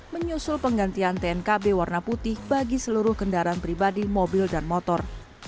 menyusul penggantian tnkb warna putih bagi seluruh kendaraan pribadi mobil dan motor